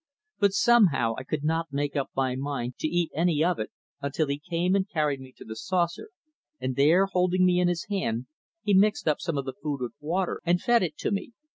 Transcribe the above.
But somehow I could not make up my mind to eat any of it until he came and carried me to the saucer, and there, holding me in his hand, he mixed up some of the food with water and fed it to me.